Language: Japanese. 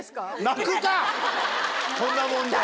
こんなもんで。